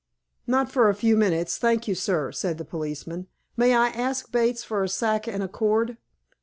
"Not for a few minutes, thank you, sir," said the policeman. "May I ask Bates for a sack and a cord?"